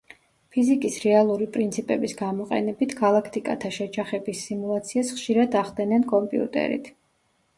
ფიზიკის რეალური პრინციპების გამოყენებით, გალაქტიკათა შეჯახების სიმულაციას ხშირად ახდენენ კომპიუტერით.